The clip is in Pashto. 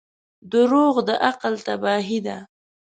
• دروغ د عقل تباهي ده.